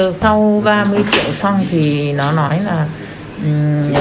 sau ba mươi triệu xong thì nó nói là